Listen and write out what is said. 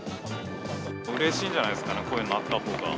うれしいんじゃないですかね、こういうのあったほうが。